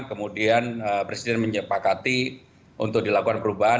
kemudian presiden menyepakati untuk dilakukan perubahan